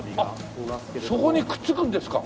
あっそこにくっつくんですか？